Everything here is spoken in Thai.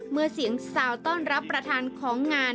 เมื่อเสียงสาวต้อนรับประธานของงาน